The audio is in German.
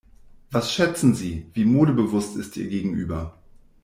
Was schätzen Sie, wie modebewusst ist Ihr Gegenüber?